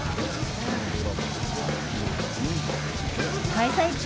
開催中